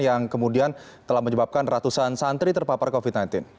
yang kemudian telah menyebabkan ratusan santri terpapar covid sembilan belas